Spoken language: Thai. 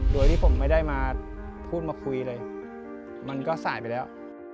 โดยที่ผมไม่ได้มาพูดมาคุยเลยมันก็สายไปแล้ว